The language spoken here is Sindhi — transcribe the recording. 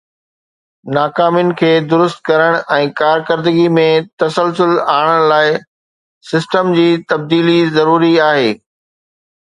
ناڪامين کي درست ڪرڻ ۽ ڪارڪردگي ۾ تسلسل آڻڻ لاءِ سسٽم جي تبديلي ضروري آهي